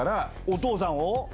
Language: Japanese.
お父さんを？